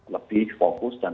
lebih fokus dan